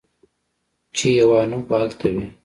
چې ايوانوف به الته وي.